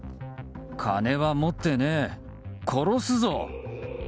金は持ってねえ、殺すぞ。